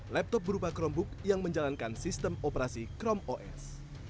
laptop berupa chromebook yang menjalankan sistem operasi chrome os